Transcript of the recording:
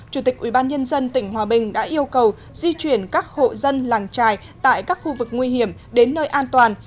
chủ tịch ubnd tỉnh hòa bình đã yêu cầu di chuyển các hộ dân làng trài tại các khu vực nguy hiểm đến nơi an toàn